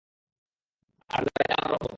আর যারীদ আমার রক্ষক।